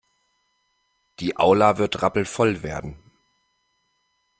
Die Aula wird rappelvoll werden.